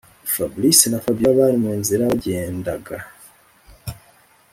fabric na fabiora bari munzira bagendaga